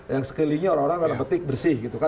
yang sekelilingnya orang orang tanda petik bersih gitu kan